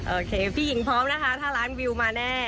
โอเคพี่หญิงพร้อมนะคะถ้าร้านวิวมาแน่